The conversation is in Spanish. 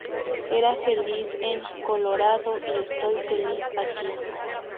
Era feliz en "Colorado" y estoy feliz aquí".